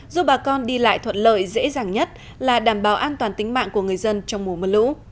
giúp bà con đi lại thuận lợi dễ dàng nhất là đảm bảo an toàn tính mạng của người dân trong mùa mưa lũ